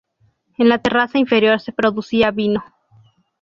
En la terraza inferior se producía vino.